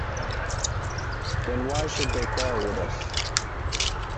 Then why should they quarrel with us?